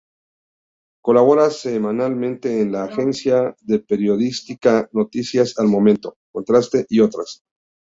Colabora semanalmente en la agencia de periodística Noticias al Momento; Contraste y otras.